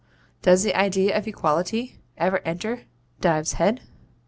Does the idea of equality ever enter Dives' head?